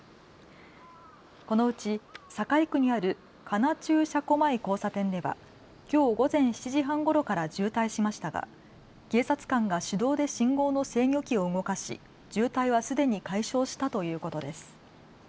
このうち栄区にある神奈中車庫前交差点ではきょう午前７時半ごろから渋滞しましたが警察官が手動で信号の制御機を動かし渋滞はすでに解消したということです。